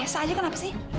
sama saya aja kenapa sih